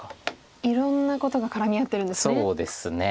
いろんなことが絡み合ってるんですね。